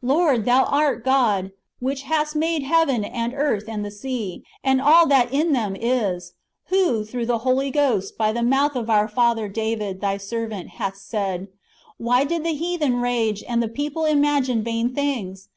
Lord, Thou art God, which hast made heaven, and earth, and the sea, and all that in them is ; who, through the Holy Ghost/ by the mouth of our father David, Thy servant, hast said, Why did the heathen rage, and the people imagine vain things?